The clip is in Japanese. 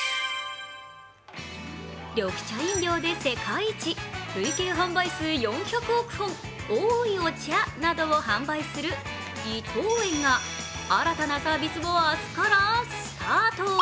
緑茶飲料で世界一、累計販売数４００億本、おいお茶などを販売する伊藤園が新たなサービスを明日からスタート。